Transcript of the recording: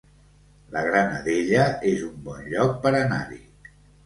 La Granadella es un bon lloc per anar-hi